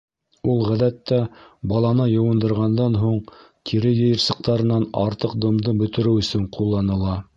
Ул ғәҙәттә баланы йыуындырғандан һуң тире йыйырсыҡтарынан артыҡ дымды бөтөрөү өсөн ҡулланыла.